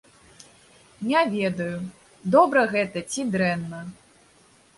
Не ведаю, добра гэта ці дрэнна.